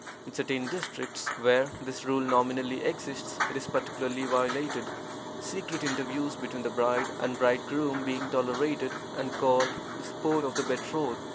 In certain districts where this rule nominally exists it is practically violated, secret interviews between the bride and bridegroom being tolerated, and called "the sport of the betrothed."